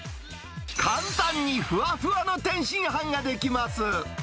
簡単に、ふわふわの天津飯が出来ます。